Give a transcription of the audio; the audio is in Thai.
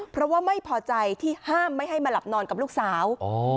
เพราะว่าไม่พอใจที่ห้ามไม่ให้มาหลับนอนกับลูกสาว